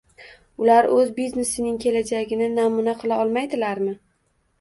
Ular o'z biznesining kelajagini namuna qila olmaydilarmi?